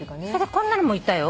こんなのもいたよ。